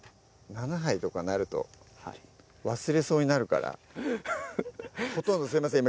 ７杯とかなると忘れそうになるからほとんどすいません